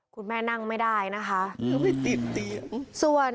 คุณแม่นั่งไม่ได้นะคะไม่ติดเตียงส่วน